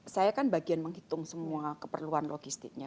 saya kan bagian menghitung semua keperluan logistiknya